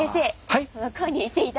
はい！